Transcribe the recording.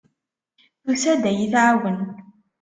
Tusa-d ad iyi-tɛawen.